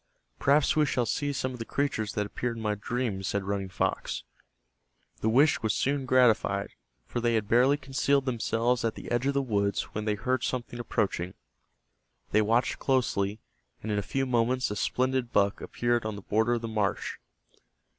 "Perhaps we shall see some of the creatures that appeared in my dream," said Running Fox. The wish was soon gratified, for they had barely concealed themselves at the edge of the woods when they heard something approaching. They watched closely, and in a few moments a splendid buck appeared on the border of the marsh.